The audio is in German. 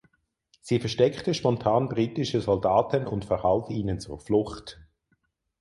Sie versteckte spontan britische Soldaten und verhalf ihnen zur Flucht.